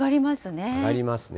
上がりますね。